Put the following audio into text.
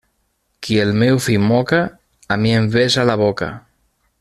Qui el meu fill moca, a mi em besa en la boca.